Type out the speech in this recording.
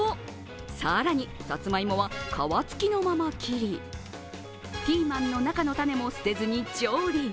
さらに、さつまいもは皮つきのまま切り、ピーマンの中の種も捨てずに調理。